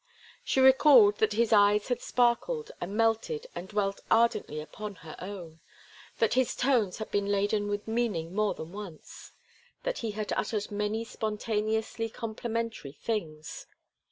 She recalled that his eyes had sparkled and melted and dwelt ardently upon her own, that his tones had been laden with meaning more than once, that he had uttered many spontaneously complimentary things.